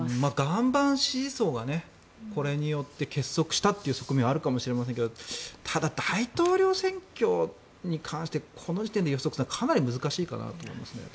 岩盤支持層がこれによって結束したという側面があるかもしれませんがただ、大統領選挙に関してこの時点で予測するのはかなり難しいかなと思いますね。